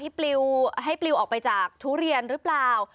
ปลิวให้ปลิวออกไปจากทุเรียนหรือเปล่า